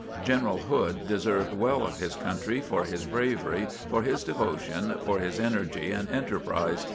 General Hood deserved well of his country for his bravery, for his devotion, for his energy and enterprise.